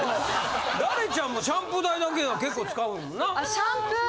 ダレちゃんもシャンプー代だけで結構使うよな？